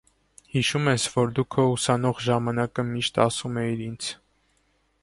Հիշո՞ւմ ես, որ դու քո ուսանող ժամանակը միշտ ասում էիր ինձ.